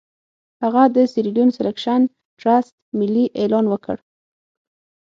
هغه د سیریلیون سیلکشن ټرست ملي اعلان کړ.